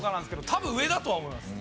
多分上だとは思います。